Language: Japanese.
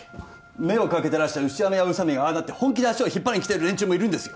目をかけてらした牛山や宇佐美がああなって本気で足を引っ張りに来てる連中もいるんですよ